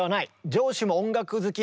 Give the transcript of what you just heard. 上司も音楽好き。